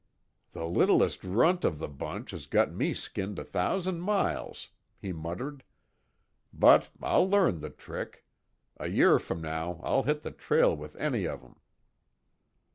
"The littlest runt of the bunch has got me skinned a thousand miles," he muttered, "But I'll learn the trick. A year from now I'll hit the trail with any of 'em."